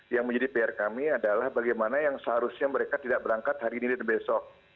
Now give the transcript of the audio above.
yang menjadi pr kami adalah bagaimana yang seharusnya mereka tidak berangkat hari ini dan besok